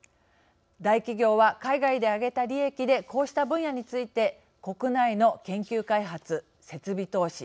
大企業は、海外で上げた利益でこうした分野について国内の研究開発、設備投資